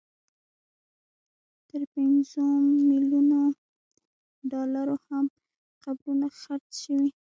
تر پنځو ملیونو ډالرو هم قبرونه خرڅ شوي.